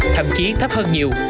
thậm chí thấp hơn nhiều